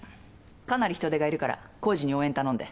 かなり人手がいるから浩次に応援頼んで。